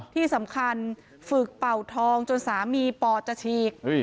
ที่สำคัญฝึกเป่าทองจนสามีปอดจะฉีก